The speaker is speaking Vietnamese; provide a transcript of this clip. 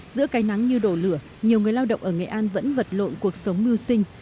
giữa cây nắng như đổ lửa nhiều người lao động ở nghệ an vẫn vật lộn cuộc sống mưu sinh